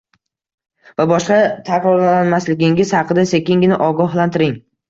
va boshqa takrorlamasligingiz haqida sekingina ogohlantiring.